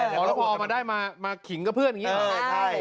แล้วพอเอามาได้มาขิงกับเพื่อนอย่างนี้เลย